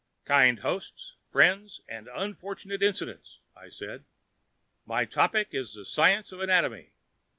"Kind hosts, friends and unfortunate incidents," I said. "My topic is the science of anatomy.